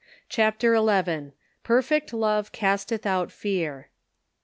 CHAPTER XL PERFECT LOVE CASTETH OUT FEAR.